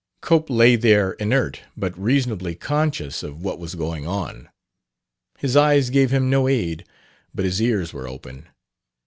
Cope lay there inert, but reasonably conscious of what was going on. His eyes gave him no aid, but his ears were open.